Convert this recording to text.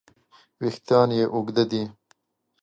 وېښتیان یې اوږده دي.